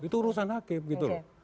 itu urusan hakim gitu loh